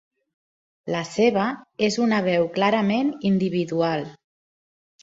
La seva és una veu clarament individual.